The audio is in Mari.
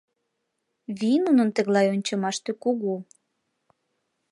Вий нунын тыглай ончымаште кугу.